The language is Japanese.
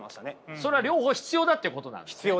それは両方必要だっていうことなんですね？